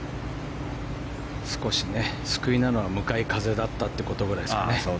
少し救いなのは向かい風だったことぐらいですかね。